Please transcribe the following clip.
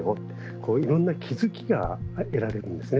こういろんな気付きが得られるんですね。